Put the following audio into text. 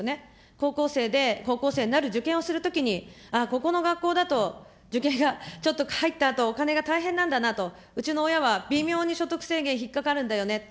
高校生で、高校生になる受験をするときに、あぁ、ここの学校だと受験がちょっと、入ったあとお金が大変なんだなと、うちの親は微妙に所得制限、引っ掛かるんだよね。